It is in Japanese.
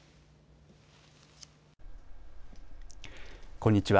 こんにちは。